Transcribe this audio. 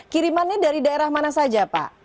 kirimannya dari daerah mana saja pak